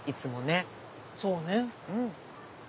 そうね。